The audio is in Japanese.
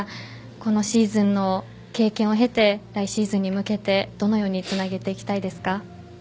このシーズンの経験を経て来シーズンに向けてどのようにつなげていきたいですか？